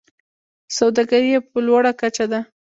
سوداګري یې په لوړه کچه ده.